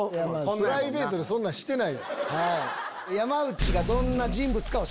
プライベートでそんなんしてない。